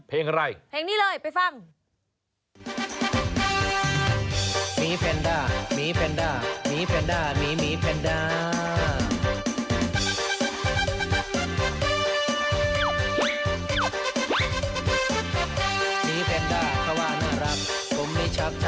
เพลงอะไร